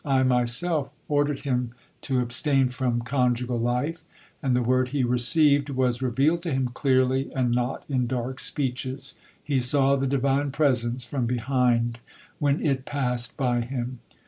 I Myself ordered him to abstain from conjugal life, and the word he received was revealed to him clearly and not in dark speeches, he saw the Divine presence from behind when It passed by him.